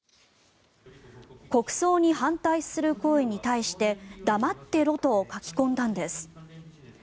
国葬に反対する声に対して黙ってろと書き込んだんです。